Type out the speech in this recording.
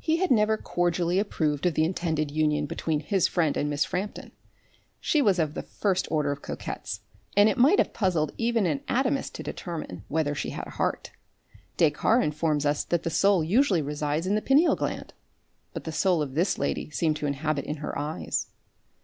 He had never cordially approved of the intended union between his friend and Miss Frampton. She was of the first order of coquettes, and it might have puzzled even an anatomist to determine, whether she had a heart. Descartes informs us that the soul usually resides in the pineal gland, but the soul of this lady seemed to inhabit in her eyes.